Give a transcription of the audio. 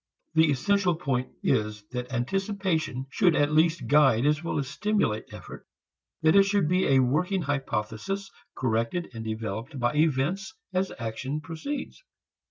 The essential point is that anticipation should at least guide as well as stimulate effort, that it should be a working hypothesis corrected and developed by events as action proceeds.